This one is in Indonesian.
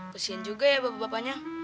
kasian juga ya bapak bapaknya